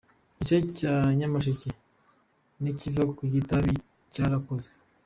Igice cya Nyamasheke n’ikiva ku Kitabi cyarakozwe.